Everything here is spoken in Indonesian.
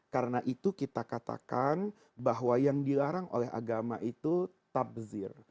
karena itu kita katakan bahwa yang dilarang oleh agama itu tabzir